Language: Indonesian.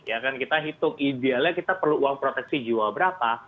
ya kan kita hitung idealnya kita perlu uang proteksi jiwa berapa